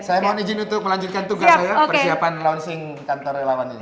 saya mohon izin untuk melanjutkan tugas saya persiapan launching kantor relawan ini